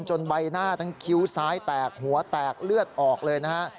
ใบหน้าทั้งคิ้วซ้ายแตกหัวแตกเลือดออกเลยนะฮะ